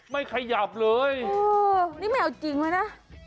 ไม่ขยับเลยนี่แมวจริงไหมนะ